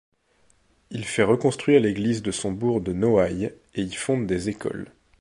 Il fait reconstruire l'église de son bourg de Noailles et y fonde des écoles.